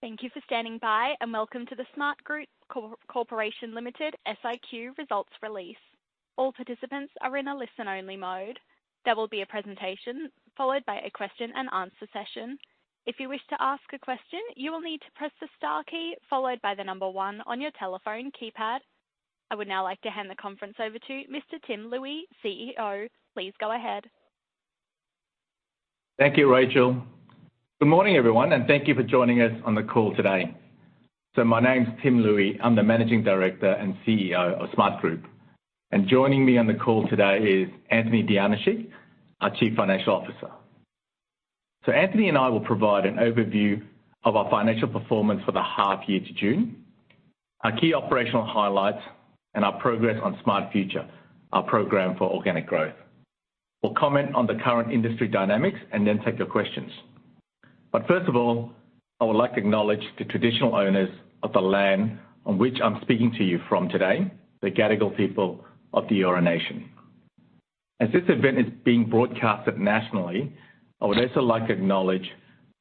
Thank you for standing by, and welcome to the Smartgroup Corporation Limited SIQ results release. All participants are in a listen-only mode. There will be a presentation followed by a question and answer session. If you wish to ask a question, you will need to press the star key followed by the number one on your telephone keypad. I would now like to hand the conference over to Mr. Tim Looi, CEO. Please go ahead. Thank you, Rachel. Good morning, everyone, and thank you for joining us on the call today. My name's Tim Looi. I'm the Managing Director and CEO of Smartgroup. Joining me on the call today is Anthony Dijanosic, our Chief Financial Officer. Anthony and I will provide an overview of our financial performance for the half year to June, our key operational highlights, and our progress on Smart Future, our program for organic growth. We'll comment on the current industry dynamics and then take your questions. First of all, I would like to acknowledge the traditional owners of the land on which I'm speaking to you from today, the Gadigal people of the Eora nation. As this event is being broadcast nationally, I would also like to acknowledge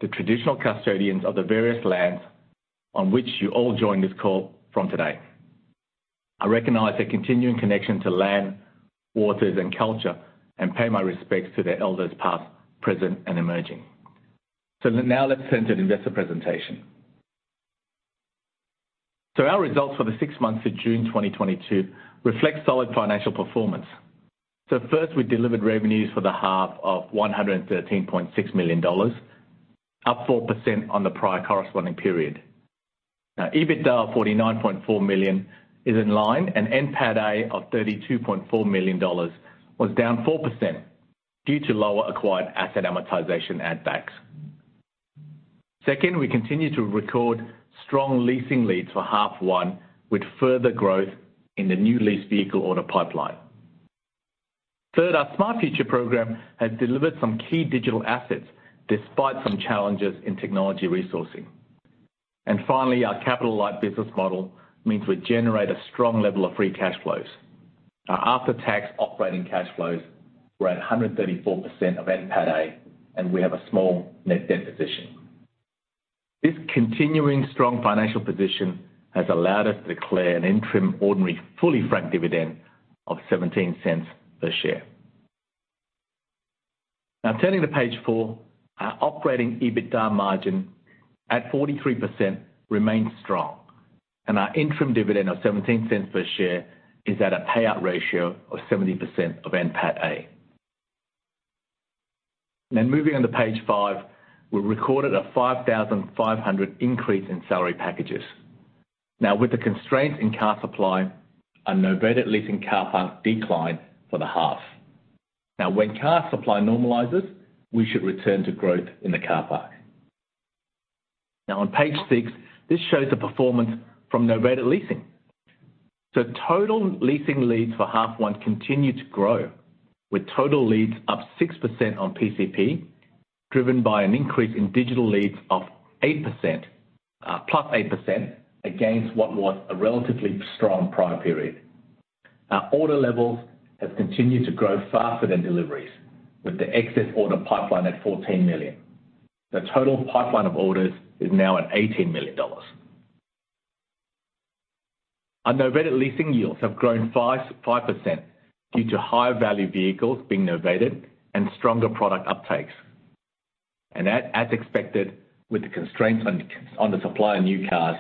the traditional custodians of the various lands on which you all join this call from today. I recognize their continuing connection to land, waters, and culture and pay my respects to their elders, past, present, and emerging. Now let's turn to the investor presentation. Our results for the six months to June 2022 reflect solid financial performance. First, we delivered revenues for the half of 113.6 million dollars, up 4% on the prior corresponding period. Now EBITDA of 49.4 million is in line, and NPATA of 32.4 million dollars was down 4% due to lower acquired asset amortization add backs. Second, we continue to record strong leasing leads for half one with further growth in the new lease vehicle order pipeline. Third, our Smart Future program has delivered some key digital assets despite some challenges in technology resourcing. Finally, our capital light business model means we generate a strong level of free cash flows. Our after-tax operating cash flows were at 134% of NPATA, and we have a small net debt position. This continuing strong financial position has allowed us to declare an interim ordinary fully franked dividend of 0.17 per share. Now turning to page four, our operating EBITDA margin at 43% remains strong, and our interim dividend of 0.17 per share is at a payout ratio of 70% of NPATA. Now moving on to page five, we recorded a 5,500 increase in salary packages. Now with the constraints in car supply, a novated leasing car park decline for the half. Now when car supply normalizes, we should return to growth in the car park. Now on page six, this shows the performance from novated leasing. Total leasing leads for half one continue to grow, with total leads up 6% on PCP, driven by an increase in digital leads of 8%, plus 8% against what was a relatively strong prior period. Our order levels have continued to grow faster than deliveries, with the excess order pipeline at 14 million. The total pipeline of orders is now at 18 million dollars. Our novated leasing yields have grown 5% due to higher value vehicles being novated and stronger product uptakes. As expected, with the constraints on the supply of new cars,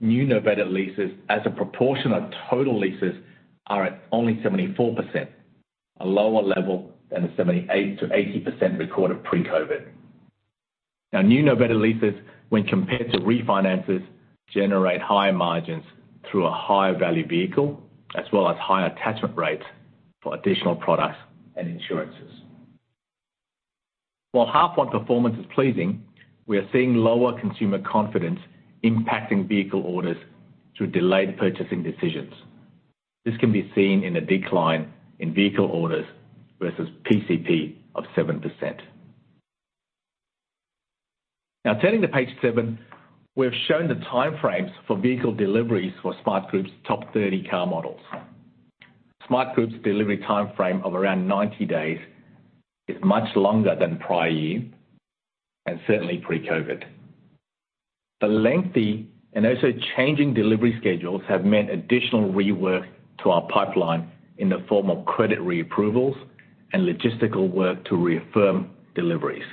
new novated leases as a proportion of total leases are at only 74%, a lower level than the 78%-80% recorded pre-COVID. New novated leases, when compared to refinances, generate higher margins through a higher value vehicle as well as higher attachment rates for additional products and insurances. While H1 performance is pleasing, we are seeing lower consumer confidence impacting vehicle orders through delayed purchasing decisions. This can be seen in a decline in vehicle orders versus PCP of 7%. Turning to page seven, we've shown the time frames for vehicle deliveries for Smartgroup's top 30 car models. Smartgroup's delivery time frame of around 90 days is much longer than prior year and certainly pre-COVID. The lengthy and also changing delivery schedules have meant additional rework to our pipeline in the form of credit reapprovals and logistical work to reaffirm deliveries.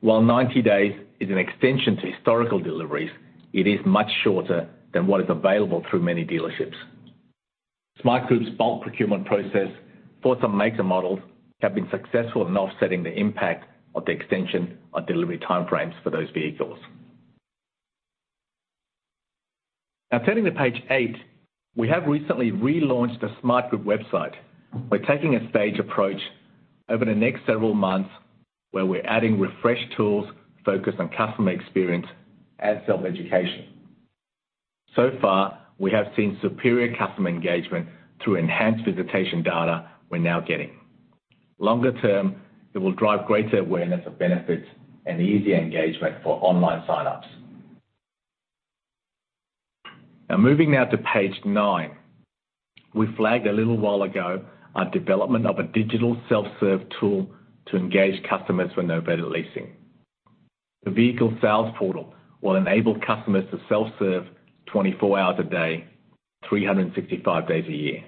While 90 days is an extension to historical deliveries, it is much shorter than what is available through many dealerships. Smartgroup's bulk procurement process for some makes and models have been successful in offsetting the impact of the extension on delivery time frames for those vehicles. Now turning to page eight, we have recently relaunched the Smartgroup website. We're taking a stage approach over the next several months, where we're adding refresh tools focused on customer experience and self-education. So far, we have seen superior customer engagement through enhanced visitation data we're now getting. Longer term, it will drive greater awareness of benefits and easier engagement for online sign-ups. Now moving to page nine. We flagged a little while ago our development of a digital self-serve tool to engage customers for novated leasing. The Vehicle Sales Portal will enable customers to self-serve 24 hours a day, 365 days a year.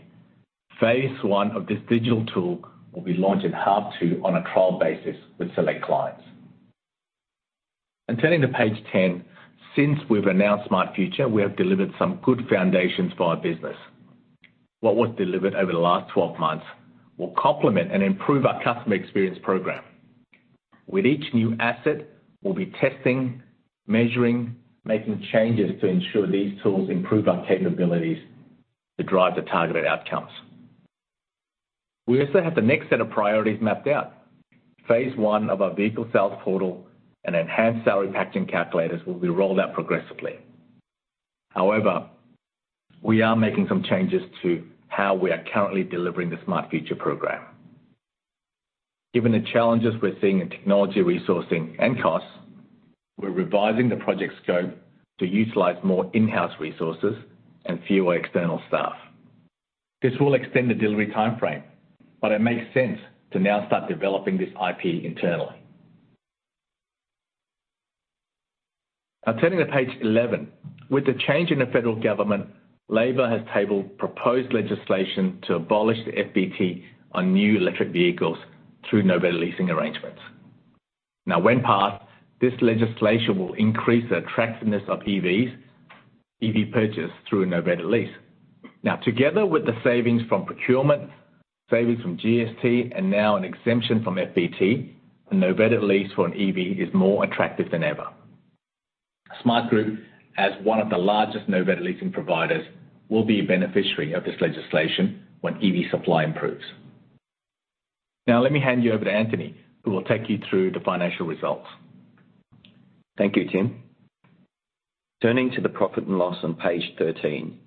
Phase one of this digital tool will be launched in H2 on a trial basis with select clients. Turning to page 10, since we've announced Smart Future, we have delivered some good foundations for our business. What was delivered over the last 12 months will complement and improve our customer experience program. With each new asset, we'll be testing, measuring, making changes to ensure these tools improve our capabilities to drive the targeted outcomes. We also have the next set of priorities mapped out. Phase one of our Vehicle Sales Portal and enhanced Salary Packaging Calculators will be rolled out progressively. However, we are making some changes to how we are currently delivering the Smart Future program. Given the challenges we're seeing in technology resourcing and costs, we're revising the project scope to utilize more in-house resources and fewer external staff. This will extend the delivery timeframe, but it makes sense to now start developing this IP internally. Now turning to page 11. With the change in the federal government, Labor has tabled proposed legislation to abolish the FBT on new electric vehicles through novated leasing arrangements. Now, when passed, this legislation will increase the attractiveness of EVs, EV purchase through a novated lease. Now, together with the savings from procurement, savings from GST, and now an exemption from FBT, a novated lease for an EV is more attractive than ever. Smartgroup, as one of the largest novated leasing providers, will be a beneficiary of this legislation when EV supply improves. Now let me hand you over to Anthony, who will take you through the financial results. Thank you, Tim. Turning to the profit and loss on page 13,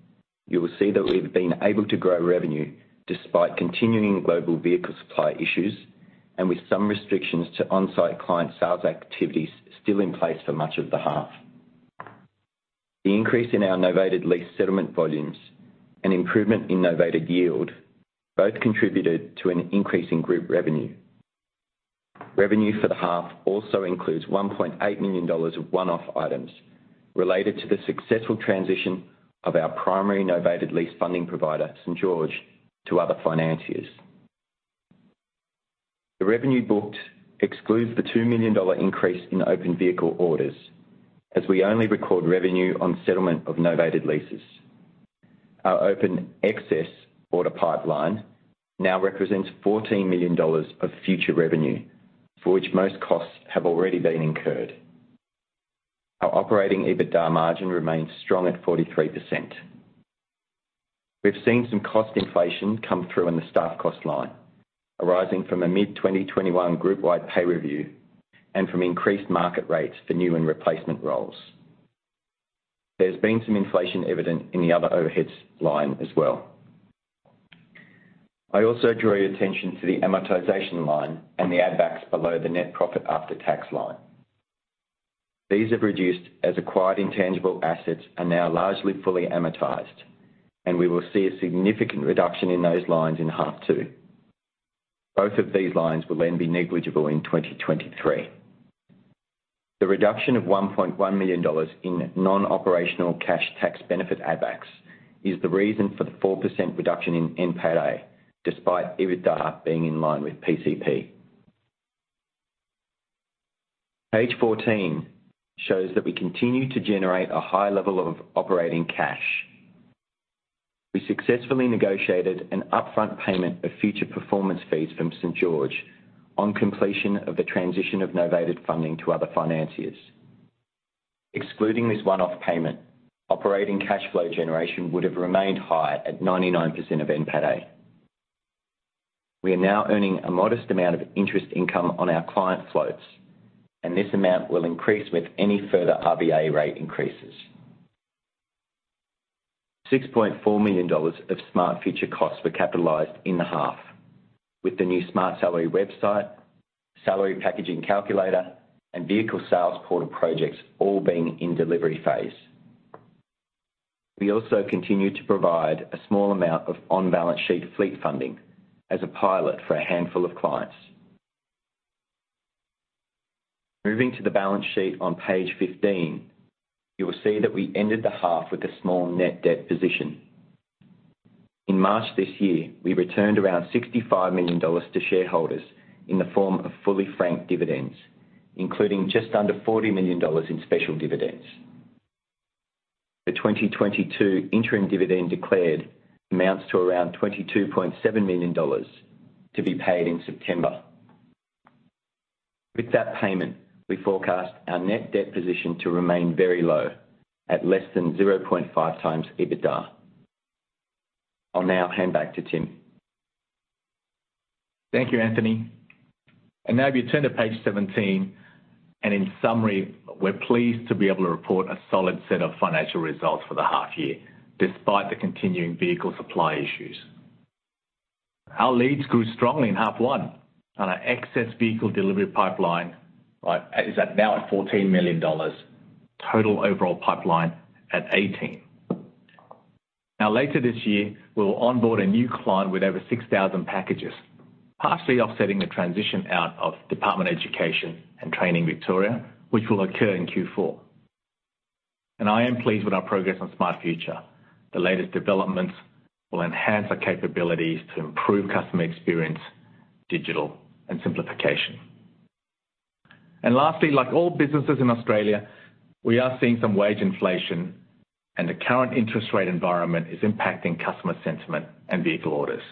you will see that we've been able to grow revenue despite continuing global vehicle supply issues and with some restrictions to on-site client sales activities still in place for much of the half. The increase in our novated lease settlement volumes and improvement in novated yield both contributed to an increase in group revenue. Revenue for the half also includes 1.8 million dollars of one-off items related to the successful transition of our primary novated lease funding provider, St.George, to other financiers. The revenue booked excludes the 2 million dollar increase in open vehicle orders, as we only record revenue on settlement of novated leases. Our open excess order pipeline now represents 14 million dollars of future revenue, for which most costs have already been incurred. Our operating EBITDA margin remains strong at 43%. We've seen some cost inflation come through in the staff cost line, arising from a mid-2021 group-wide pay review and from increased market rates for new and replacement roles. There's been some inflation evident in the other overheads line as well. I also draw your attention to the amortization line and the add-backs below the net profit after tax line. These have reduced as acquired intangible assets are now largely fully amortized, and we will see a significant reduction in those lines in half two. Both of these lines will then be negligible in 2023. The reduction of 1.1 million dollars in non-operational cash tax benefit add-backs is the reason for the 4% reduction in NPAT, despite EBITDA being in line with PCP. Page 14 shows that we continue to generate a high level of operating cash. We successfully negotiated an upfront payment of future performance fees from St.George Bank on completion of the transition of novated leasing to other financiers. Excluding this one-off payment, operating cash flow generation would have remained high at 99% of NPAT. We are now earning a modest amount of interest income on our client floats, and this amount will increase with any further RBA rate increases. 6.4 million dollars of Smart Future costs were capitalized in the half, with the new Smartsalary website, Salary Packaging Calculator, and Vehicle Sales Portal projects all being in delivery phase. We also continue to provide a small amount of on-balance sheet fleet funding as a pilot for a handful of clients. Moving to the balance sheet on page 15, you will see that we ended the half with a small net debt position. In March this year, we returned around 65 million dollars to shareholders in the form of fully franked dividends, including just under 40 million dollars in special dividends. The 2022 interim dividend declared amounts to around 22.7 million dollars to be paid in September. With that payment, we forecast our net debt position to remain very low at less than 0.5 times EBITDA. I'll now hand back to Tim. Thank you, Anthony. Now if you turn to page 17, and in summary, we're pleased to be able to report a solid set of financial results for the half year, despite the continuing vehicle supply issues. Our leads grew strongly in half one and our excess vehicle delivery pipeline, right, is at about 14 million dollars. Total overall pipeline at 18 million. Now, later this year, we'll onboard a new client with over 6,000 packages, partially offsetting the transition out of Department of Education and Training Victoria, which will occur in Q4. I am pleased with our progress on Smart Future. The latest developments will enhance our capabilities to improve customer experience, digital and simplification. Lastly, like all businesses in Australia, we are seeing some wage inflation, and the current interest rate environment is impacting customer sentiment and vehicle orders.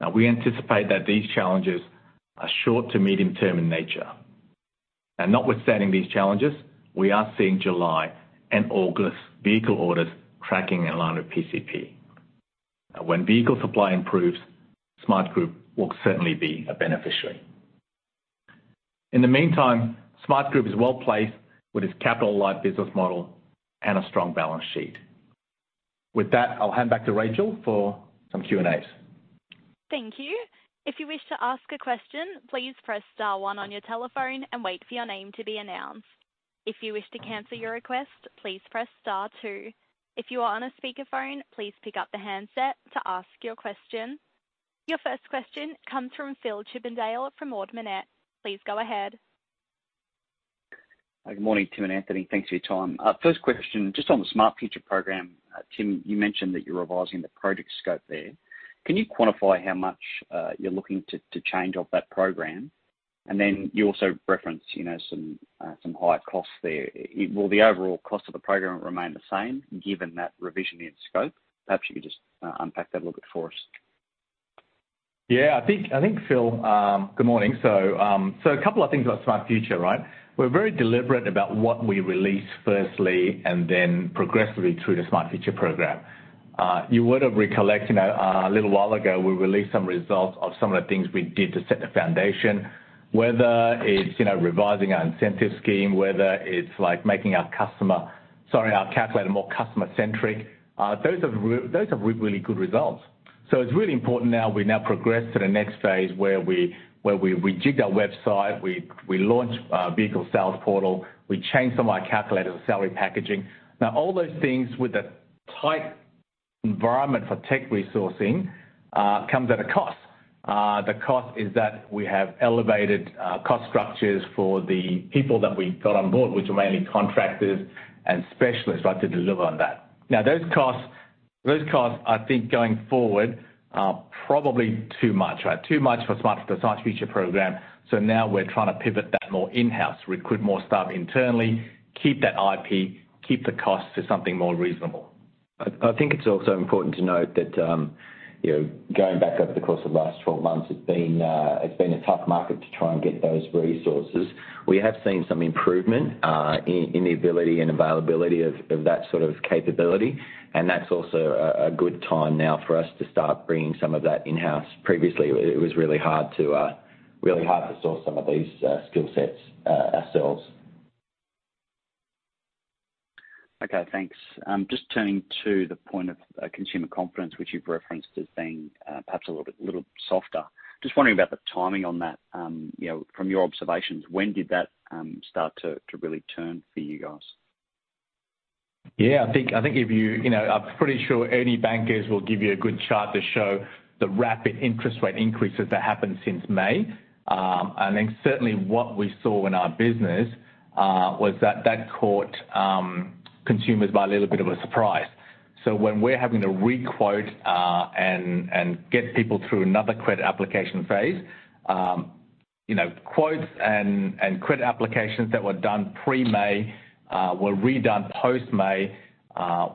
Now, we anticipate that these challenges are short to medium term in nature. Notwithstanding these challenges, we are seeing July and August vehicle orders tracking in line with PCP. Now, when vehicle supply improves, Smartgroup will certainly be a beneficiary. In the meantime, Smartgroup is well-placed with its capital light business model and a strong balance sheet. With that, I'll hand back to Rachel for some Q&As. Thank you. If you wish to ask a question, please press star one on your telephone and wait for your name to be announced. If you wish to cancel your request, please press star two. If you are on a speakerphone, please pick up the handset to ask your question. Your first question comes from Phillip Chippindale from Ord Minnett. Please go ahead. Good morning, Tim Looi and Anthony Dijanosic. Thanks for your time. First question, just on the Smart Future program. Tim Looi, you mentioned that you're revising the project scope there. Can you quantify how much you're looking to change of that program? Then you also referenced, you know, some higher costs there. Will the overall cost of the program remain the same given that revision in scope? Perhaps you could just unpack that a little bit for us. Yeah, I think, Phil, good morning. A couple of things about Smart Future, right? We're very deliberate about what we release first and then progressively through the Smart Future program. You would have recollected a little while ago, we released some results of some of the things we did to set the foundation, whether it's, you know, revising our incentive scheme, whether it's like making our calculator more customer-centric. Those have really good results. It's really important now we progress to the next phase where we rejigged our website, we launched a Vehicle Sales Portal, we changed some of our calculators and salary packaging. Now, all those things with a tight environment for tech resourcing comes at a cost. The cost is that we have elevated cost structures for the people that we got on board, which were mainly contractors and specialists, right, to deliver on that. Now, those costs, I think going forward, are probably too much, right? Too much for the Smart Future program. Now we're trying to pivot that more in-house, recruit more staff internally, keep that IP, keep the costs to something more reasonable. I think it's also important to note that, you know, going back over the course of the last 12 months, it's been a tough market to try and get those resources. We have seen some improvement in the ability and availability of that sort of capability, and that's also a good time now for us to start bringing some of that in-house. Previously, it was really hard to source some of these skill sets ourselves. Okay, thanks. Just turning to the point of consumer confidence, which you've referenced as being perhaps a little bit softer. Just wondering about the timing on that. You know, from your observations, when did that start to really turn for you guys? Yeah, I think if you know, I'm pretty sure any bankers will give you a good chart to show the rapid interest rate increases that happened since May. Certainly what we saw in our business was that caught consumers by a little bit of a surprise. When we're having to re-quote and get people through another credit application phase, you know, quotes and credit applications that were done pre-May were redone post-May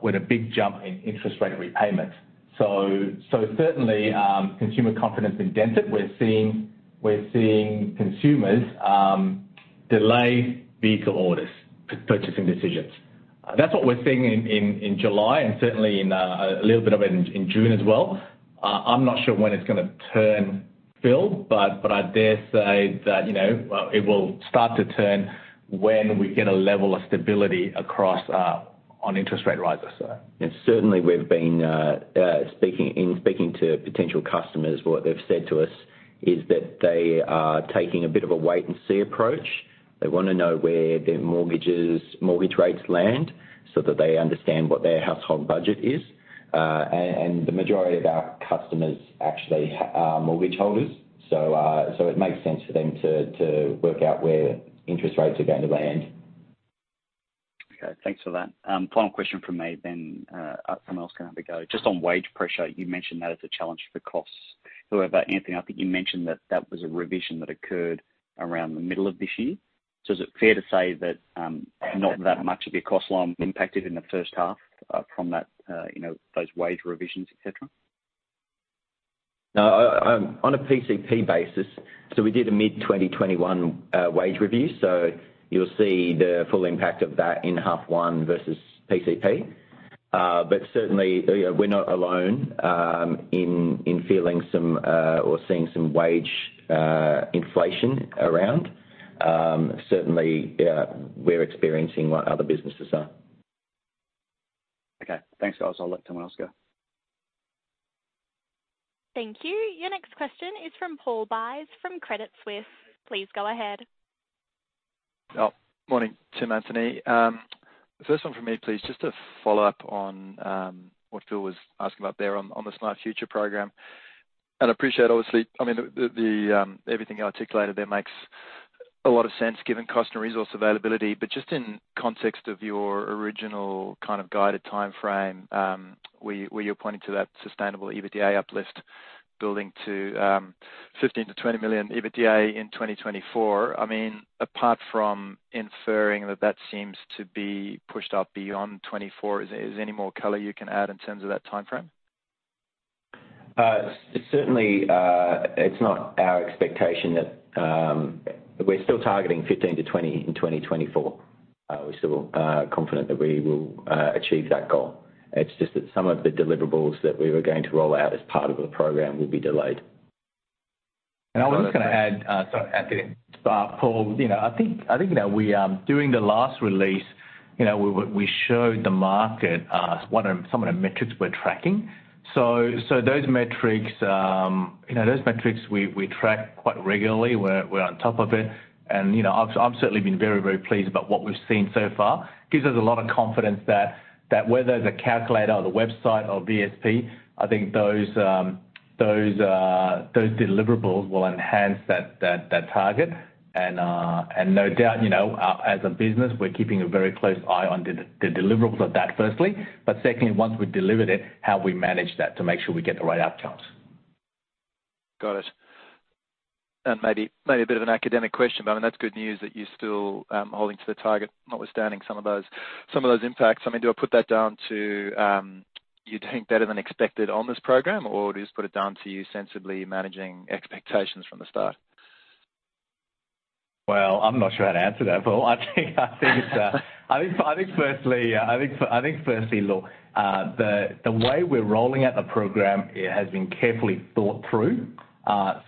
with a big jump in interest rate repayments. Certainly consumer confidence dented. We're seeing consumers delay vehicle orders for purchasing decisions. That's what we're seeing in July and certainly a little bit of it in June as well. I'm not sure when it's gonna turn, Phil, but I dare say that, you know, well, it will start to turn when we get a level of stability across, on interest rate rises. Certainly, we've been speaking to potential customers. What they've said to us is that they are taking a bit of a wait and see approach. They wanna know where their mortgage rates land so that they understand what their household budget is. The majority of our customers actually are mortgage holders. It makes sense for them to work out where interest rates are going to land. Okay. Thanks for that. Final question from me then, someone else can have a go. Just on wage pressure, you mentioned that as a challenge for costs. However, Anthony, I think you mentioned that that was a revision that occurred around the middle of this year. Is it fair to say that, not that much of your cost line impacted in the first half, from that, you know, those wage revisions, et cetera? No, on a PCP basis, we did a mid-2021 wage review. You'll see the full impact of that in half one versus PCP. Certainly, you know, we're not alone in feeling some or seeing some wage inflation around. Certainly, yeah, we're experiencing what other businesses are. Okay. Thanks, guys. I'll let someone else go. Thank you. Your next question is from Paul Buys from Citi. Please go ahead. Oh, morning, Tim, Anthony. First one for me, please. Just to follow up on what Phil was asking about there on the Smart Future program. Appreciate, obviously, I mean, everything you articulated there makes a lot of sense given cost and resource availability. Just in context of your original kind of guided timeframe, where you're pointing to that sustainable EBITDA uplift building to 15-20 million EBITDA in 2024. I mean, apart from inferring that that seems to be pushed up beyond 2024, is there any more color you can add in terms of that timeframe? Certainly, it's not our expectation that. We're still targeting 15-20 in 2024. We're still confident that we will achieve that goal. It's just that some of the deliverables that we were going to roll out as part of the program will be delayed. I was just gonna add, sorry, Anthony. Paul, you know, I think during the last release, you know, we showed the market one of some of the metrics we're tracking. Those metrics, you know, those metrics we track quite regularly. We're on top of it. You know, I've certainly been very pleased about what we've seen so far. Gives us a lot of confidence that whether the calculator or the website or VSP, I think those deliverables will enhance that target. No doubt, you know, as a business, we're keeping a very close eye on the deliverables of that, firstly. Secondly, once we delivered it, how we manage that to make sure we get the right outcomes. Got it. Maybe a bit of an academic question, but I mean, that's good news that you're still holding to the target, notwithstanding some of those impacts. I mean, do I put that down to you doing better than expected on this program, or do you just put it down to you sensibly managing expectations from the start? Well, I'm not sure how to answer that, Paul. I think firstly, look, the way we're rolling out the program, it has been carefully thought through.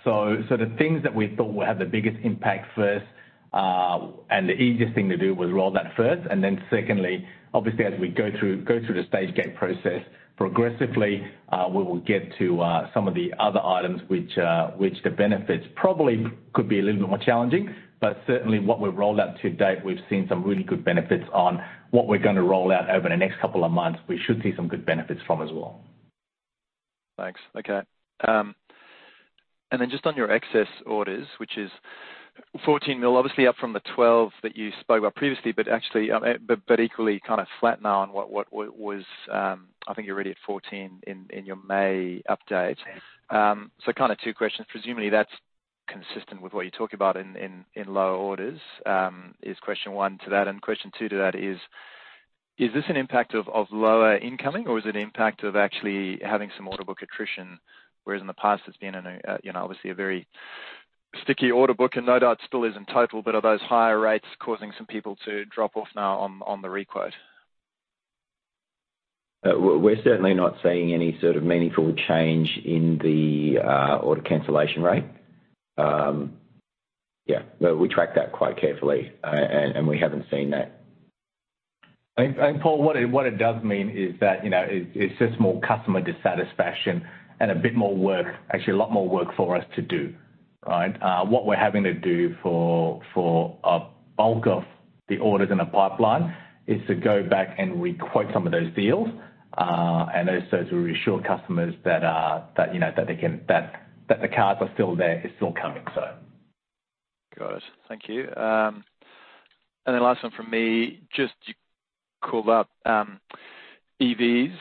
So the things that we thought would have the biggest impact first, and the easiest thing to do was roll that first. Then secondly, obviously, as we go through the stage gate process progressively, we will get to some of the other items which the benefits probably could be a little bit more challenging. Certainly what we've rolled out to date, we've seen some really good benefits on what we're gonna roll out over the next couple of months. We should see some good benefits from as well. Thanks. Okay, and then just on your excess orders, which is 14 million, obviously up from the 12 million that you spoke about previously, but actually, but equally kind of flat now on what was. I think you're really at 14 in your May update. So kinda two questions. Presumably, that's consistent with what you talk about in new orders, is question one to that. Question two to that is this an impact of lower incoming, or is it impact of actually having some order book attrition, whereas in the past it's been a, you know, obviously a very sticky order book, and no doubt still is in total, but are those higher rates causing some people to drop off now on the re-quote? We're certainly not seeing any sort of meaningful change in the order cancellation rate. Yeah. No, we track that quite carefully. We haven't seen that. Paul, what it does mean is that, you know, it's just more customer dissatisfaction and a bit more work, actually a lot more work for us to do, right? What we're having to do for a bulk of the orders in the pipeline is to go back and re-quote some of those deals, and also to reassure customers that, you know, they can, that the cars are still there, it's still coming. Got it. Thank you. Last one from me, just you called up EVs,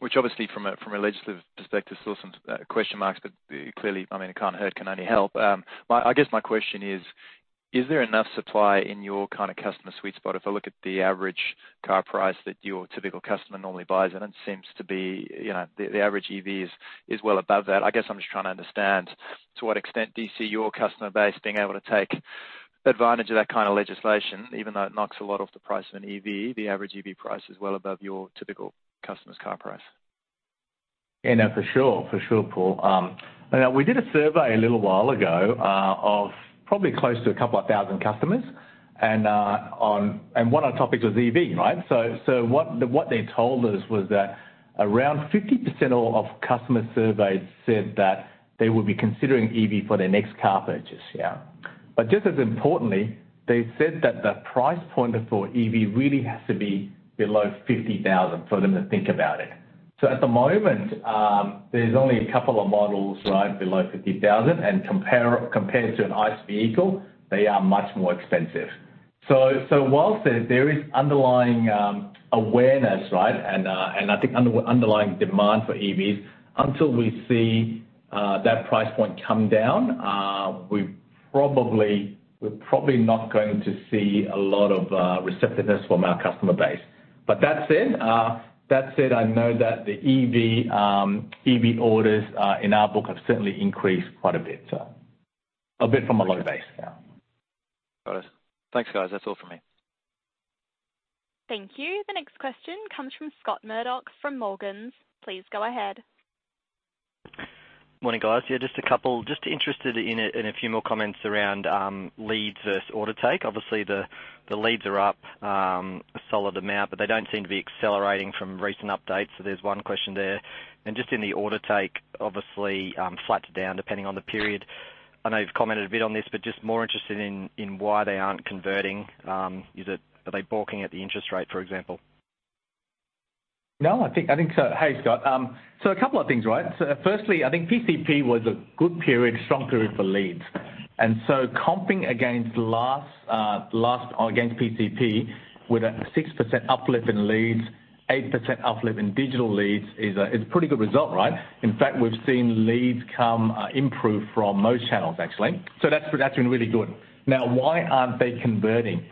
which obviously from a legislative perspective, still some question marks, but clearly, I mean, it can't hurt, can only help. I guess my question is there enough supply in your kind of customer sweet spot? If I look at the average car price that your typical customer normally buys, and it seems to be, you know, the average EV is well above that. I guess I'm just trying to understand to what extent do you see your customer base being able to take advantage of that kind of legislation, even though it knocks a lot off the price of an EV, the average EV price is well above your typical customer's car price. Yeah, no, for sure, Paul. You know, we did a survey a little while ago of probably close to 2,000 customers and one of the topics was EV, right? What they told us was that around 50% of customers surveyed said that they would be considering EV for their next car purchase. Yeah. Just as importantly, they said that the price point for EV really has to be below 50,000 for them to think about it. At the moment, there's only a couple of models, right, below 50,000, and compared to an ICE vehicle, they are much more expensive. While there is underlying awareness, right, and I think underlying demand for EVs until we see that price point come down, we're probably not going to see a lot of receptiveness from our customer base. That said, I know that the EV orders in our book have certainly increased quite a bit, so. A bit from a low base. Yeah. Got it. Thanks, guys. That's all for me. Thank you. The next question comes from Scott Murdoch from Morgans. Please go ahead. Morning, guys. Yeah, just interested in a few more comments around leads versus order take. Obviously, the leads are up a solid amount, but they don't seem to be accelerating from recent updates. There's one question there. Just in the order take, obviously flat to down, depending on the period. I know you've commented a bit on this, but just more interested in why they aren't converting. Is it—are they balking at the interest rate, for example? No, I think so. Hey, Scott. A couple of things, right? Firstly, I think PCP was a good period, strong period for leads. Comping against last or against PCP with a 6% uplift in leads, 8% uplift in digital leads is a pretty good result, right? In fact, we've seen leads improve from most channels, actually. That's been really good. Now, why aren't they converting?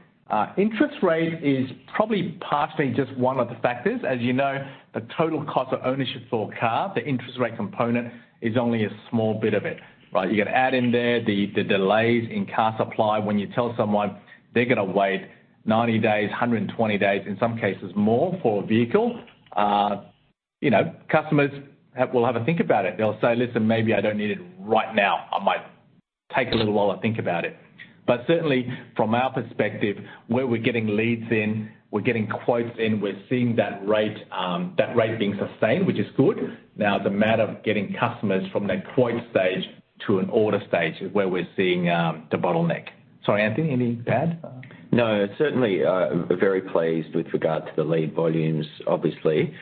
Interest rate is probably partially just one of the factors. As you know, the total cost of ownership for a car, the interest rate component is only a small bit of it, right? You gotta add in there the delays in car supply when you tell someone they're gonna wait 90 days, 120 days, in some cases more for a vehicle. You know, customers will have a think about it. They'll say, "Listen, maybe I don't need it right now. I might take a little while and think about it." Certainly, from our perspective, where we're getting leads in, we're getting quotes in, we're seeing that rate, that rate being sustained, which is good. Now, the matter of getting customers from that quote stage to an order stage is where we're seeing the bottleneck. Sorry, Anthony, anything to add? No. Certainly, very pleased with regard to the lead volumes, obviously.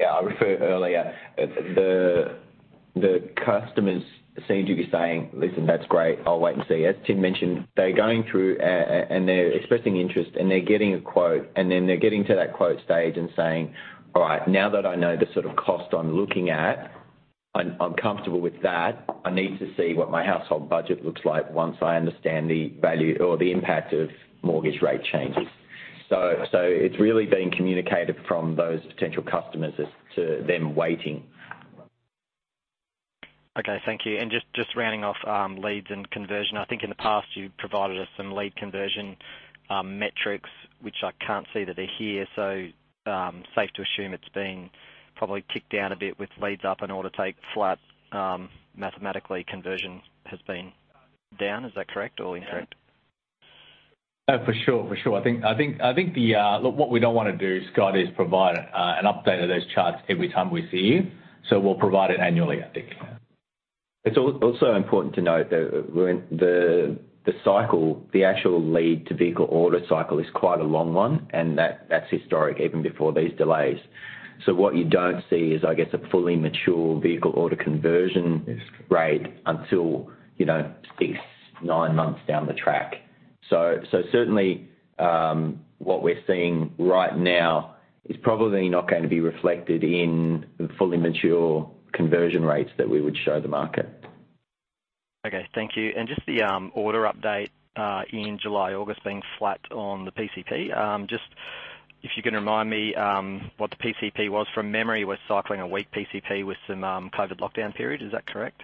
Yeah, I referred earlier, the customers seem to be saying, "Listen, that's great. I'll wait and see." As Tim mentioned, they're going through, and they're expressing interest and they're getting a quote, and then they're getting to that quote stage and saying, "All right, now that I know the sort of cost I'm looking at, I'm comfortable with that. I need to see what my household budget looks like once I understand the value or the impact of mortgage rate changes." It's really been communicated from those potential customers as to them waiting. Okay, thank you. Just rounding off, leads and conversion. I think in the past you provided us some lead conversion metrics, which I can't see that they're here. Safe to assume it's been probably kicked down a bit with leads up in order take flat. Mathematically, conversion has been down. Is that correct or incorrect? For sure. I think look, what we don't wanna do, Scott, is provide an update of those charts every time we see you. We'll provide it annually, I think. It's also important to note that when the actual lead to vehicle order cycle is quite a long one, and that's historical even before these delays. What you don't see is, I guess, a fully mature vehicle order conversion rate until, you know, six-nine months down the track. Certainly, what we're seeing right now is probably not gonna be reflected in the fully mature conversion rates that we would show the market. Okay, thank you. Just the order update in July, August being flat on the PCP. Just if you can remind me what the PCP was. From memory, we're cycling a weak PCP with some COVID lockdown period. Is that correct?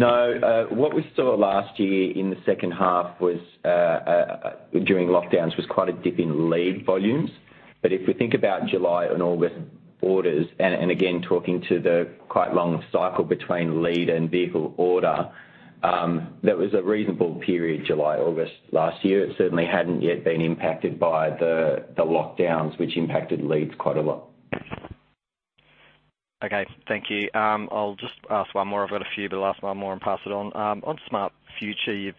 No. What we saw last year in the second half during lockdowns was quite a dip in lead volumes. If we think about July and August orders, and again, talking to the quite long cycle between lead and vehicle order, that was a reasonable period, July, August last year. It certainly hadn't yet been impacted by the lockdowns, which impacted leads quite a lot. Okay, thank you. I'll just ask one more. I've got a few, but I'll ask one more and pass it on. On Smart Future, you've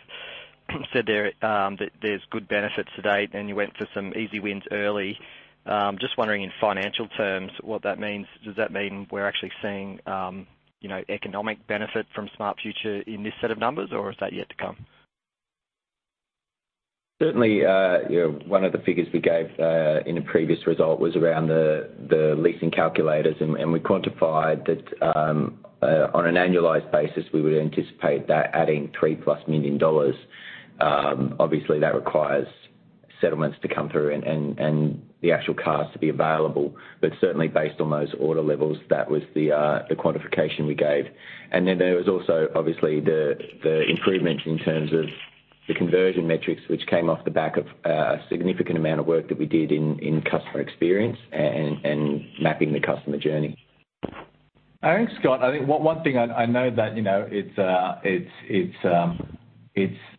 said there that there's good benefits to date, and you went for some easy wins early. Just wondering in financial terms what that means. Does that mean we're actually seeing, you know, economic benefit from Smart Future in this set of numbers, or is that yet to come? Certainly, you know, one of the figures we gave in a previous result was around the leasing calculators. We quantified that on an annualized basis, we would anticipate that adding 3+ million dollars. Obviously, that requires settlements to come through and the actual cars to be available. Certainly based on those order levels, that was the quantification we gave. Then there was also obviously the improvements in terms of the conversion metrics, which came off the back of a significant amount of work that we did in customer experience and mapping the customer journey. I think, Scott, one thing I know that, you know, it's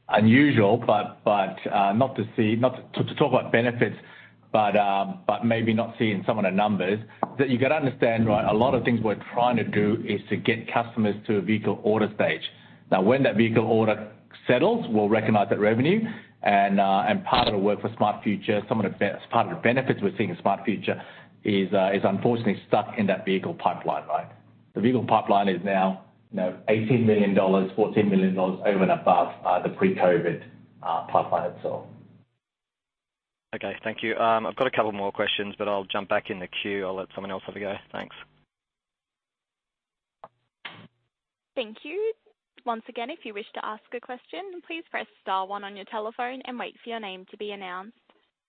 unusual, but not to talk about benefits, but maybe not seeing some of the numbers that you gotta understand, right? A lot of things we're trying to do is to get customers to a vehicle order stage. Now, when that vehicle order settles, we'll recognize that revenue and part of the work for Smart Future, some of the benefits we're seeing in Smart Future is unfortunately stuck in that vehicle pipeline, right? The vehicle pipeline is now 18 million dollars, 14 million dollars over and above the pre-COVID pipeline itself. Okay, thank you. I've got a couple more questions, but I'll jump back in the queue. I'll let someone else have a go. Thanks. Thank you. Once again, if you wish to ask a question, please press star one on your telephone and wait for your name to be announced.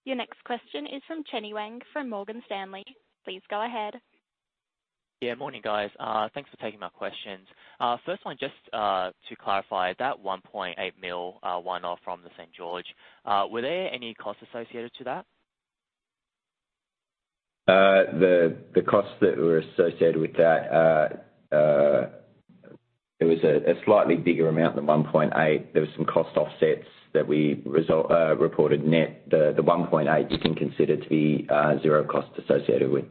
Your next question is from Chenny Wang from Morgan Stanley. Please go ahead. Yeah, morning, guys. Thanks for taking my questions. First one, just to clarify, that 1.8 million one-off from the St.George Bank, were there any costs associated to that? The costs that were associated with that. It was a slightly bigger amount than 1.8. There was some cost offsets that we reported net. The 1.8 you can consider to be 0 cost associated with.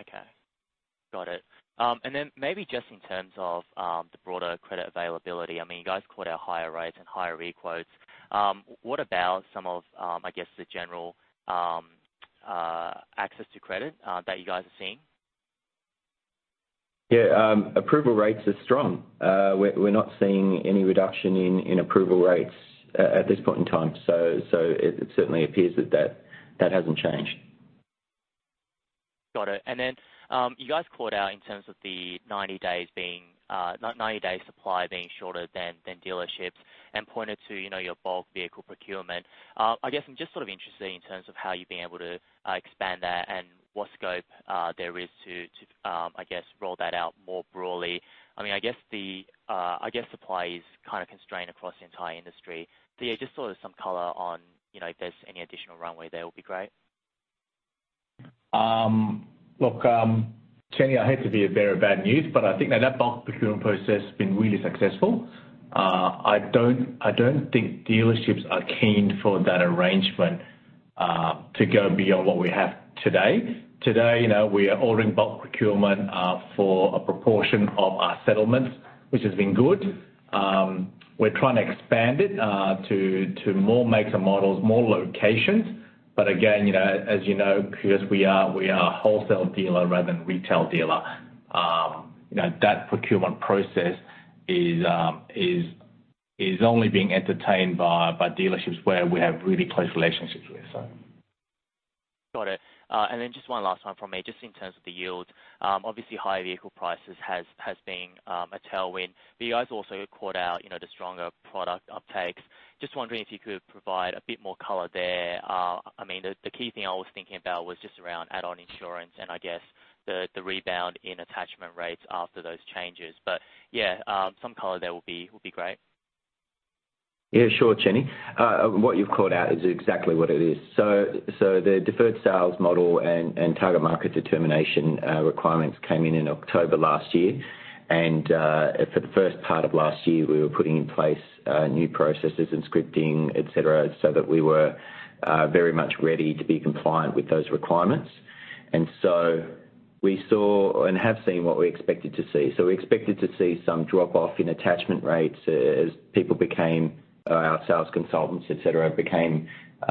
Okay. Got it. Maybe just in terms of the broader credit availability, I mean, you guys called out higher rates and higher requotes. What about some of, I guess, the general access to credit that you guys are seeing? Yeah, approval rates are strong. We're not seeing any reduction in approval rates at this point in time. It certainly appears that that hasn't changed. Got it. Then, you guys called out in terms of the 90-day supply being shorter than dealerships and pointed to, you know, your bulk vehicle procurement. I guess I'm just sort of interested in terms of how you've been able to expand that and what scope there is to, I guess, roll that out more broadly. I mean, I guess the supply is kind of constrained across the entire industry. Yeah, just sort of some color on, you know, if there's any additional runway there will be great. Look, Chenny, I hate to be a bearer of bad news, but I think that bulk procurement process has been really successful. I don't think dealerships are keen for that arrangement to go beyond what we have today. Today, you know, we are ordering bulk procurement for a proportion of our settlements, which has been good. We're trying to expand it to more makes and models, more locations. Again, you know, as you know, because we are a wholesale dealer rather than retail dealer. You know, that procurement process is only being entertained by dealerships where we have really close relationships with, so. Got it. Just one last one from me, just in terms of the yield. Obviously higher vehicle prices has been a tailwind. You guys also called out, you know, the stronger product uptakes. Just wondering if you could provide a bit more color there. I mean, the key thing I was thinking about was just around add-on insurance and I guess the rebound in attachment rates after those changes. Yeah, some color there will be great. Yeah, sure, Chenny. What you've called out is exactly what it is. The deferred sales model and target market determination requirements came in in October last year. For the first part of last year, we were putting in place new processes and scripting, et cetera, so that we were very much ready to be compliant with those requirements. We saw and have seen what we expected to see. We expected to see some drop off in attachment rates as people became our sales consultants, et cetera,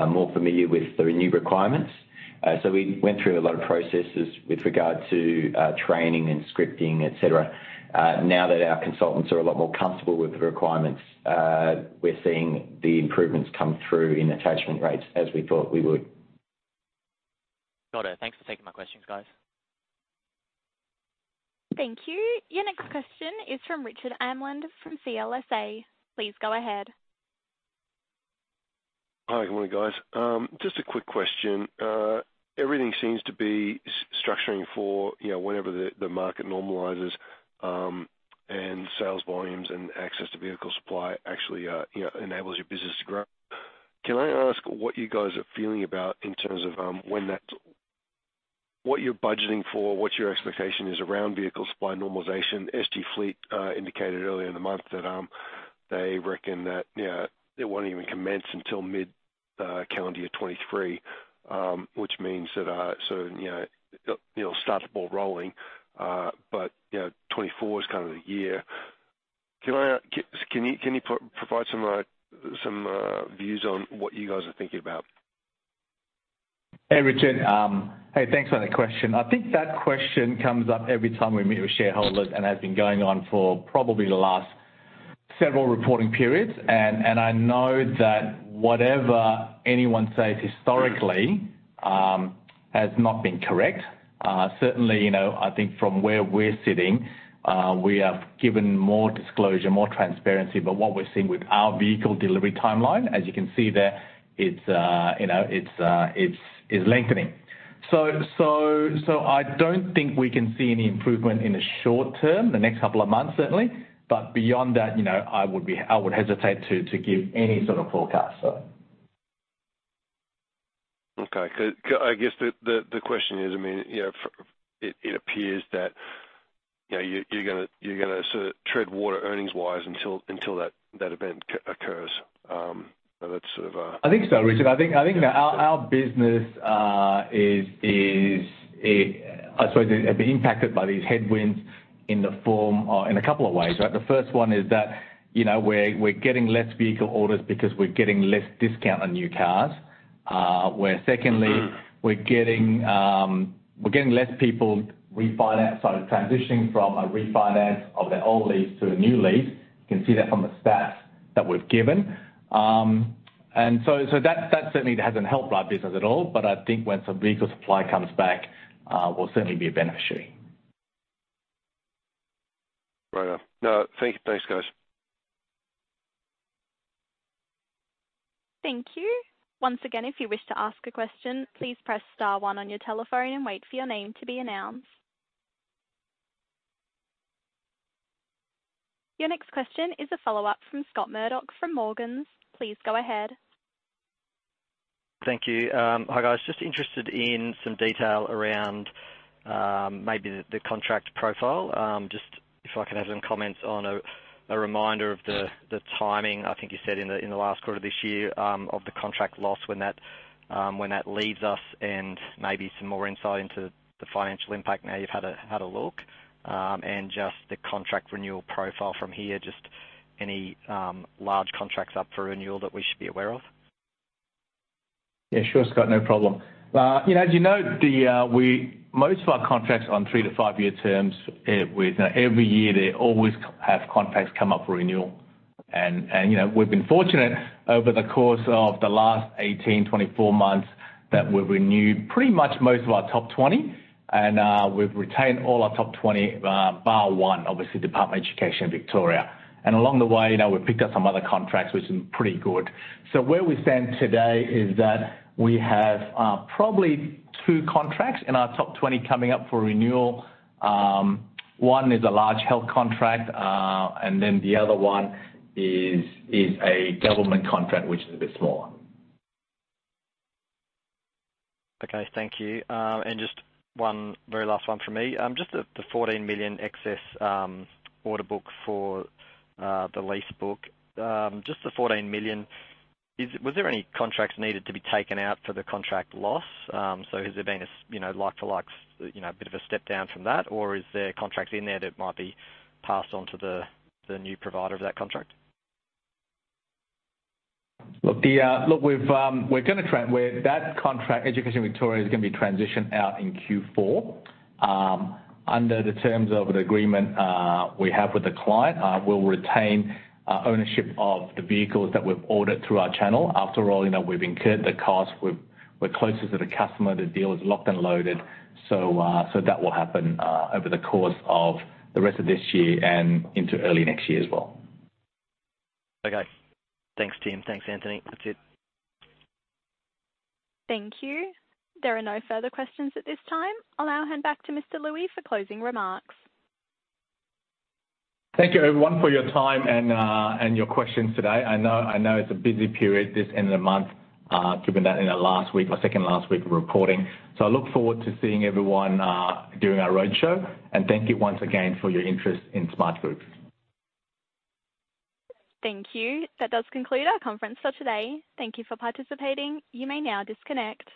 more familiar with the new requirements. We went through a lot of processes with regard to training and scripting, et cetera. Now that our consultants are a lot more comfortable with the requirements, we're seeing the improvements come through in attachment rates as we thought we would. Got it. Thanks for taking my questions, guys. Thank you. Your next question is from Richard Amland from CLSA. Please go ahead. Hi. Good morning, guys. Just a quick question. Everything seems to be structuring for, you know, whenever the market normalizes, and sales volumes and access to vehicle supply actually, you know, enables your business to grow. Can I ask what you guys are feeling about in terms of when that's? What you're budgeting for, what your expectation is around vehicle supply normalization? SG Fleet indicated earlier in the month that they reckon that, you know, it won't even commence until mid calendar year 2023, which means that, so, you know, it'll start the ball rolling, but, you know, 2024 is kind of the year. Can you provide some views on what you guys are thinking about? Hey, Richard. Hey, thanks for that question. I think that question comes up every time we meet with shareholders and has been going on for probably the last several reporting periods. I know that whatever anyone says historically has not been correct. Certainly, you know, I think from where we're sitting, we have given more disclosure, more transparency, but what we're seeing with our vehicle delivery timeline, as you can see there, it's, you know, lengthening. I don't think we can see any improvement in the short term, the next couple of months, certainly. Beyond that, you know, I would hesitate to give any sort of forecast. Okay. I guess the question is, I mean, you know, it appears that, you know, you're gonna sort of tread water earnings-wise until that event occurs. That's sort of I think so, Richard. I think our business is, I'd say have been impacted by these headwinds in the form or in a couple of ways, right? The first one is that, you know, we're getting less vehicle orders because we're getting less discount on new cars. Well, secondly, we're getting less people transitioning from a refinance of their old lease to a new lease. You can see that from the stats that we've given. That certainly hasn't helped our business at all, but I think once the vehicle supply comes back, we'll certainly be a beneficiary. Right. No, thank you. Thanks, guys. Thank you. Once again, if you wish to ask a question, please press star one on your telephone and wait for your name to be announced. Your next question is a follow-up from Scott Murdoch from Morgans. Please go ahead. Thank you. Hi, guys. Just interested in some detail around maybe the contract profile. Just if I can have some comments on a reminder of the timing, I think you said in the last quarter of this year, of the contract loss, when that leaves us, and maybe some more insight into the financial impact now you've had a look. Just the contract renewal profile from here, just any large contracts up for renewal that we should be aware of? Yeah, sure, Scott, no problem. You know, as you know, most of our contracts are on three-five year terms. With every year, they always have contracts come up for renewal. You know, we've been fortunate over the course of the last 18, 24 months that we've renewed pretty much most of our top 20, and we've retained all our top 20, bar one, obviously, Department of Education and Training. Along the way, now we've picked up some other contracts, which is pretty good. Where we stand today is that we have probably two contracts in our top 20 coming up for renewal. One is a large health contract, and then the other one is a government contract which is a bit smaller. Okay. Thank you. Just one very last one from me. Just the 14 million excess order book for the lease book. Just the 14 million, was there any contracts needed to be taken out for the contract loss? Has there been, you know, like for likes, you know, a bit of a step down from that? Or is there contracts in there that might be passed on to the new provider of that contract? With that contract, Department of Education and Training, is gonna be transitioned out in Q4, under the terms of the agreement we have with the client, we'll retain ownership of the vehicles that we've ordered through our channel. After all, you know, we've incurred the cost. We're closer to the customer. The deal is locked and loaded. That will happen over the course of the rest of this year and into early next year as well. Okay. Thanks, team. Thanks, Anthony. That's it. Thank you. There are no further questions at this time. I'll now hand back to Mr. Looi for closing remarks. Thank you everyone for your time and your questions today. I know it's a busy period this end of the month, given that in the last week or second last week of reporting. I look forward to seeing everyone during our roadshow. Thank you once again for your interest in Smartgroup. Thank you. That does conclude our conference for today. Thank you for participating. You may now disconnect.